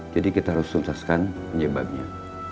jadi kita harus tuntaskan penyebabnya